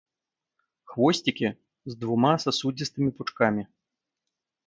Хвосцікі з двума сасудзістымі пучкамі.